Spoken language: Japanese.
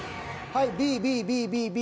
はいＢＢＢＢＢＢ。